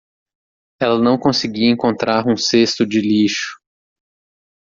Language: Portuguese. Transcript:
Ela não conseguia encontrar um cesto de lixo.